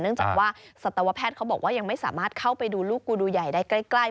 จากว่าสัตวแพทย์เขาบอกว่ายังไม่สามารถเข้าไปดูลูกกูดูใหญ่ได้ใกล้